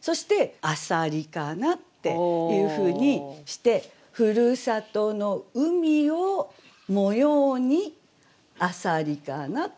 そして「浅蜊かな」っていうふうにして「ふるさとの海を模様に浅蜊かな」と。